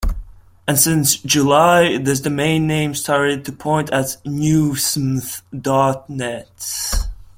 And since July, this domain name started to point at newsmth dot net.